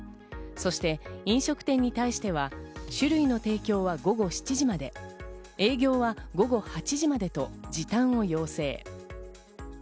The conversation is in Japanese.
そして飲食店に対しては酒類の提供は午後７時まで、営業は午後８時までと時短を要請。